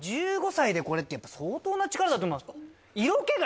１５歳でこれって相当な力だといいますか。